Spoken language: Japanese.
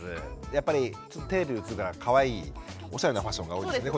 やっぱりテレビ映るからかわいいおしゃれなファッションが多いですね